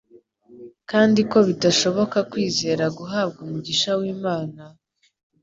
kandi ko bidashoboka kwizera guhabwa umugisha w'Imana;